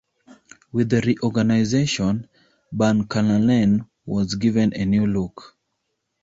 With the reorganization, Barnkanalen was given a new look.